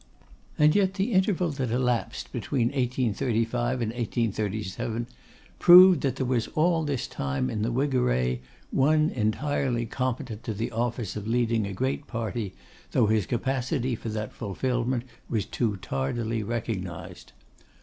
And yet the interval that elapsed between 1835 and 1837 proved, that there was all this time in the Whig array one entirely competent to the office of leading a great party, though his capacity for that fulfilment was too tardily recognised.